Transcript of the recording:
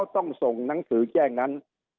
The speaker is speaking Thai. ต้องส่งหนังสือแจ้งนั้น